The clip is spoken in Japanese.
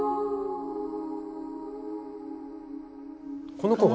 この子が。